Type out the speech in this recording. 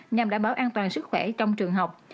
nhằm đảm bảo an toàn sức khỏe trong trường học